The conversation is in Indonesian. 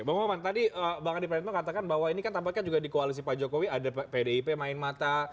bang maman tadi bang adi praetno katakan bahwa ini kan tampaknya juga di koalisi pak jokowi ada pdip main mata